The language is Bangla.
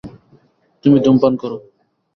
তুমি ধূমপান করো?